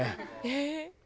えっ！